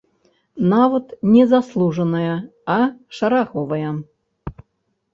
Нават не заслужаная, а шараговая.